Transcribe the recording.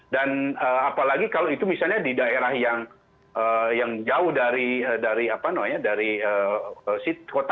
apalagi kalau itu misalnya di daerah yang jauh dari kota